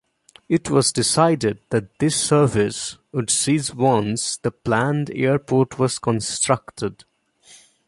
It was decided that this service would cease once the planned airport was constructed.